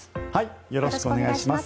よろしくお願いします。